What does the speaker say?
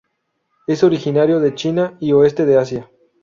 Es originario de China y oeste de Asia.